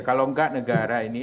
kalau enggak negara ini